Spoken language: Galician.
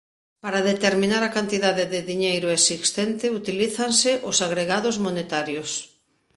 Para determinar a cantidade de diñeiro existente utilízanse os agregados monetarios.